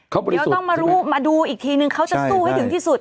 เดี๋ยวต้องมารู้มาดูอีกทีนึงเขาจะสู้ให้ถึงที่สุด